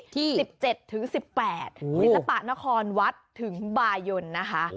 ศิลปะนครวรรษถึงบายนนะคะ